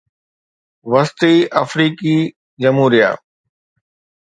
وسطي آفريقي جمهوريه